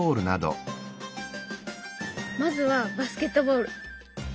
まずはバスケットボール。